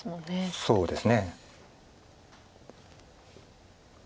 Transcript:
そうですね。